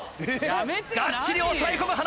がっちり抑え込む塙。